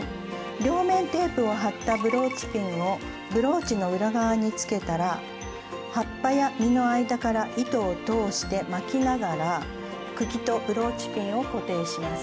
両面テープを貼ったブローチピンをブローチの裏側につけたら葉っぱや実の間から糸を通して巻きながら茎とブローチピンを固定します。